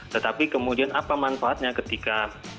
tetapi kemudian apa manfaatnya ketika